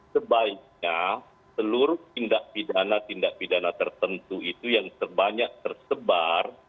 sebaiknya seluruh tindak pidana tindak pidana tertentu itu yang terbanyak tersebar